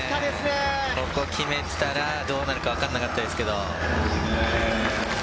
ここ決めてたら、どうなるかわからなかったですけど。